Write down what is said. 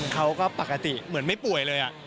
เขาก็ปกติเหมือนไม่ป่วยเลย